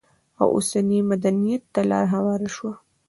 او اوسني مدنيت ته لار هواره شوه؛